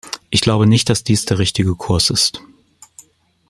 Ich glaube nicht, dass dies der richtige Kurs ist.